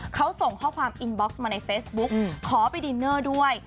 เขาส่งข้อความอินบ็อกซ์มาในเฟซบุ๊กขอไปดินเนอร์ด้วย